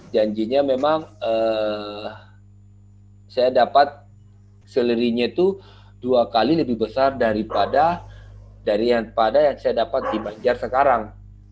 janjinya memang saya dapat selerinya itu dua kali lebih besar daripada yang saya dapat di banjar sekarang